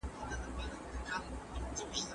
نجلۍ د خپل بکس له جیب څخه یو کوچنی هنداره راوویستله.